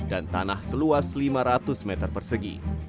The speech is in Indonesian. tanah seluas lima ratus meter persegi